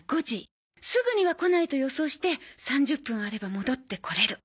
すぐには来ないと予想して３０分あれば戻ってこれる。